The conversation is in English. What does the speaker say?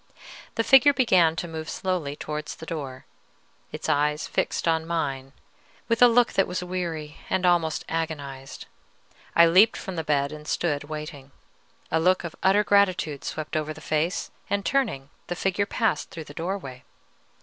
The figure began to move slowly towards the door, its eyes fixed on mine with a look that was weary and almost agonized. I leaped from the bed and stood waiting. A look of utter gratitude swept over the face, and, turning, the figure passed through the doorway.